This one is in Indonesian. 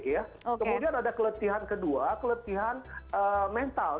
kemudian ada keletihan kedua keletihan mental